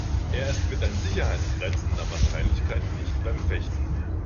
Er ist mit an Sicherheit grenzender Wahrscheinlichkeit nicht beim Fechten.